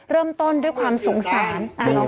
เริ่มต้นด้วยความสงสาร